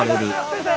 先生！